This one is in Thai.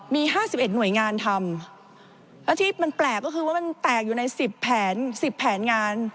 มี๕๑หน่วยงานทำแล้วที่มันแปลกก็คือว่ามันแตกอยู่ใน๑๐แผน๑๐แผนงาน